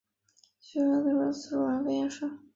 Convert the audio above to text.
肃靖王继妃晏氏肃靖王次妃杨氏